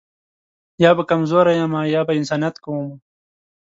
یا به کمزوری یمه یا به انسانیت کومه